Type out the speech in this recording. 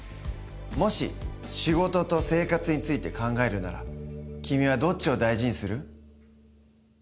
もし仕事と生活について考えるなら君はどっちを大事にする？